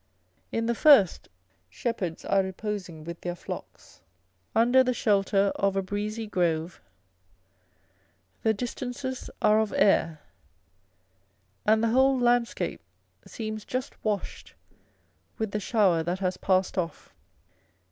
In the first, shepherds are reposing with their flocks under the shelter of a breezy grove, the distances are of air, and the whole landscape seems just washed with the shower that has passed off.